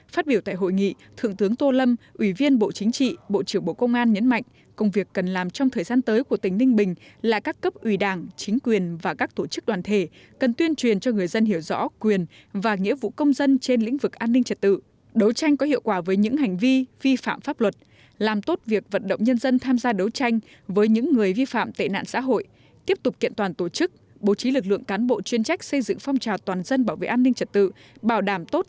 phát biểu tại hội nghị thượng tướng tô lâm ủy viên bộ chính trị bộ trưởng bộ công an nhấn mạnh công việc cần làm trong thời gian tới của tỉnh ninh bình là các cấp ủy đảng chính quyền và các tổ chức đoàn thể cần tuyên truyền cho người dân hiểu rõ quyền và nghĩa vụ công dân trên lĩnh vực an ninh trật tự đấu tranh có hiệu quả với những hành vi vi phạm pháp luật làm tốt việc vận động nhân dân tham gia đấu tranh với những người vi phạm tệ nạn xã hội tiếp tục kiện toàn tổ chức bố trí lực lượng cán bộ chuyên trách xây dựng phong trào toàn dân bảo